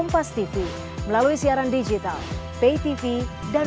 kalau tiga empat tiga bisa dibutuhkan